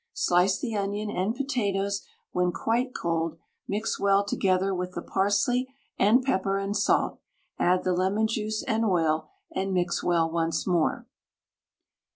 Slice the onion and potatoes when quite cold, mix well together with the parsley and pepper and salt; add the lemon juice and oil, and mix well once more.